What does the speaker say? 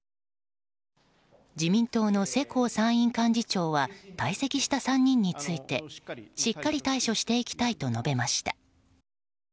自民党の世耕参院幹事長は退席した３人についてしっかり対処していきたいと述べました。